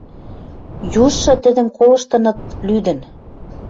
Южшы тӹдӹм колыштыныт лӱдӹн